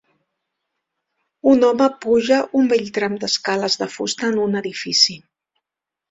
Un home puja un vell tram d'escales de fusta en un edifici.